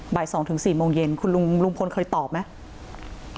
บ่าย๒๔โมงเย็นคุณลุงพลเคยตอบไหม